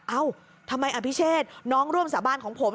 เอ้าทำไมอภิเชษน้องร่วมสาบานของผม